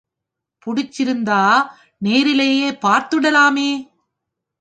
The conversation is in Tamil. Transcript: புடிச்சிருந்தா நேரிலேயே பார்த்துடலாமே?